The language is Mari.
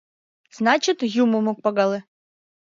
Значит, юмым ок пагале.